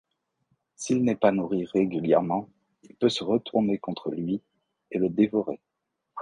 S'il n'est pas nourri régulièrement, il peut se retourner contre lui et le dévorer.